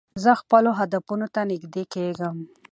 زه خپلو هدفونو ته نژدې کېږم.